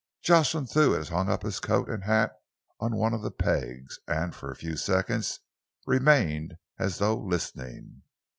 Jocelyn Thew had hung up his coat and hat upon one of the pegs, and for a few seconds remained as though listening.